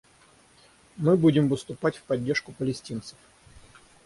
Мы будем выступать в поддержку палестинцев.